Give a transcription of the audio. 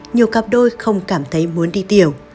nhiều cặp đôi không cảm thấy muốn đi tiểu